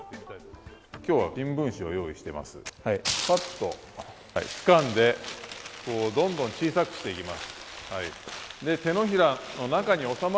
今日は新聞紙を用意していますぱっとつかんで、どんどん小さくしていきます。